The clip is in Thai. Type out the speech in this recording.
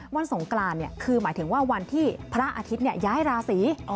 สงกรานคือหมายถึงว่าวันที่พระอาทิตย้ายราศี